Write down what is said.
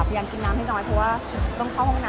ที่พรียามกลับมารับผล